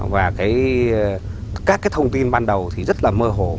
và các cái thông tin ban đầu thì rất là mơ hồ